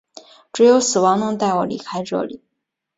只有死亡能带我离开这里！